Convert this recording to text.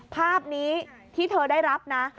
ภาพนี้ที่เธอได้รับนะ